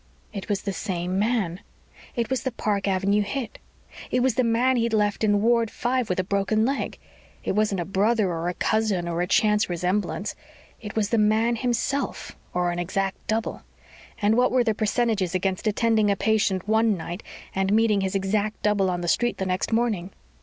It was the same man. It was the Park Avenue hit. It was the man he'd left in Ward Five with a broken leg. It wasn't a brother or a cousin or a chance resemblance. It was the man himself or an exact double. And what were the percentages against attending a patient one night and meeting his exact double on the street the next morning?